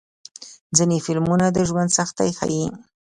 ځینې فلمونه د ژوند سختۍ ښيي.